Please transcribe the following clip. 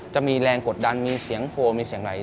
จะมีแรงกดดันมีเสียงโพลมีเสียงอะไร